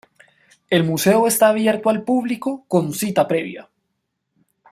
El museo está abierto al público con cita previa.